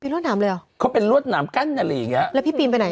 แล้วพี่ปีนไปอย่างไหน